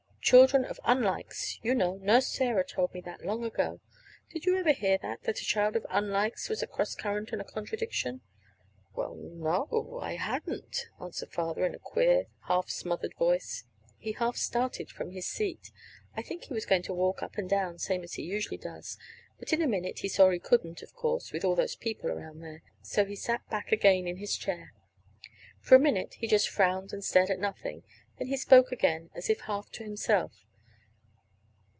"Children of unlikes, you know. Nurse Sarah told me that long ago. Didn't you ever hear that that a child of unlikes was a cross current and a contradiction?" "Well, no I hadn't," answered Father, in a queer, half smothered voice. He half started from his seat. I think he was going to walk up and down, same as he usually does. But in a minute he saw he couldn't, of course, with all those people around there. So he sat back again in his chair. For a minute he just frowned and stared at nothing; then he spoke again, as if half to himself.